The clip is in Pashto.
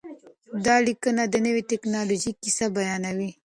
دا لیکنه د نوې ټکنالوژۍ کیسه بیانوي.